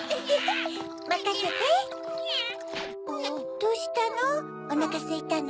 どうしたの？